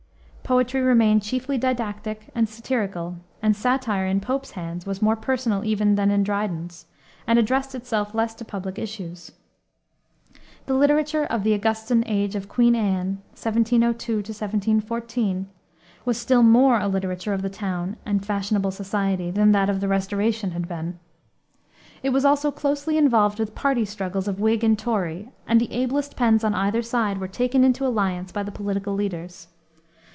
Poetry remained chiefly didactic and satirical, and satire in Pope's hands was more personal even than in Dryden's, and addressed itself less to public issues. The literature of the "Augustan age" of Queen Anne (1702 1714) was still more a literature of the town and of fashionable society than that of the Restoration had been. It was also closely involved with party struggles of Whig and Tory, and the ablest pens on either side were taken into alliance by the political leaders.